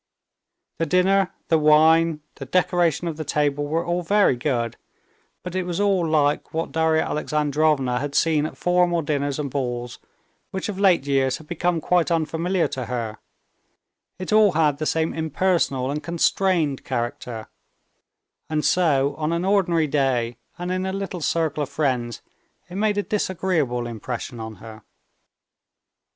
The dinner, the wine, the decoration of the table were all very good; but it was all like what Darya Alexandrovna had seen at formal dinners and balls which of late years had become quite unfamiliar to her; it all had the same impersonal and constrained character, and so on an ordinary day and in a little circle of friends it made a disagreeable impression on her.